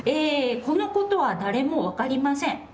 「このことは誰も分かりません。